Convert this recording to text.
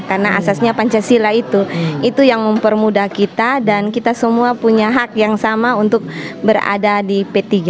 karena asasnya pancasila itu itu yang mempermudah kita dan kita semua punya hak yang sama untuk berada di p tiga